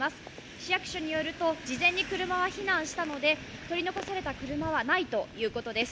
市役所によると事前に車は避難したので取り残された車はないということです。